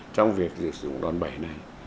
trong việc dự dụng đòn bẩy này